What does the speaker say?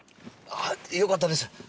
あよかったです。